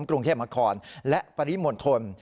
กรุงเขมหากรและปริมนทล